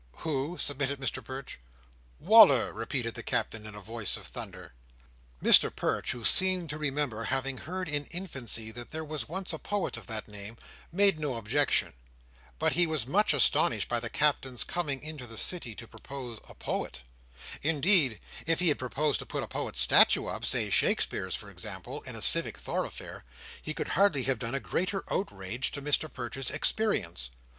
"Who?" submitted Mr Perch. "Wal"r!" repeated the Captain, in a voice of thunder. Mr Perch, who seemed to remember having heard in infancy that there was once a poet of that name, made no objection; but he was much astonished at the Captain's coming into the City to propose a poet; indeed, if he had proposed to put a poet's statue up—say Shakespeare's for example—in a civic thoroughfare, he could hardly have done a greater outrage to Mr Perch's experience.